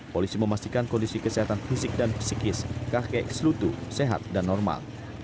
polisi memastikan kondisi kesehatan fisik dan psikis kakek selutu sehat dan normal